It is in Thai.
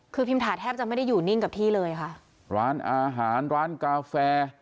คือปริมพ์ฐาแทบจะไม่ได้อยู่นิ่งกับพื้นที่ร้านอาหารร้านกาแฟ